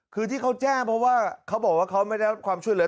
คือที่เขาแจ้งเพราะว่าเขาบอกว่าเขาไม่ได้รับความช่วยเหลือ